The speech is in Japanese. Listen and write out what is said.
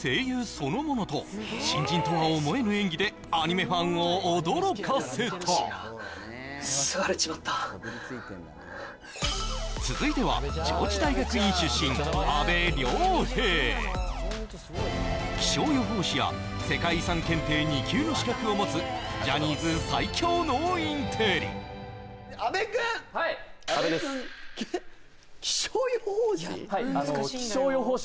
そのものと新人とは思えぬ演技でアニメファンを驚かせた続いては上智大学院出身阿部亮平気象予報士や世界遺産検定２級の資格を持つジャニーズ最強のインテリ阿部くん阿部くんはい阿部です気象予報士？